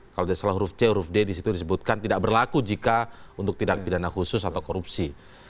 kalau tidak salah huruf c huruf d disitu disebutkan tidak berlaku jika untuk tindak pidana khusus atau korupsi